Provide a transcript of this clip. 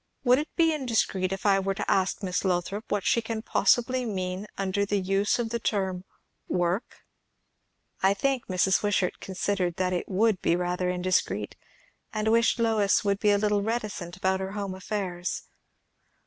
Would it be indiscreet, if I were to ask Miss Lothrop what she can possibly mean under the use of the term 'work'?" I think Mrs. Wishart considered that it would be rather indiscreet, and wished Lois would be a little reticent about her home affairs.